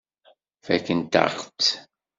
Fakkent-aɣ-tt.